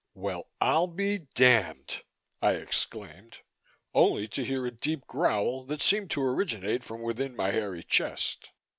"Well, I'll be damned!" I exclaimed, only to hear a deep growl that seemed to originate from within my hairy chest.